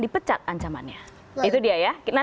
dipecat ancamannya itu dia ya kita